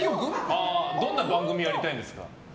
どんな番組やりたいんですか？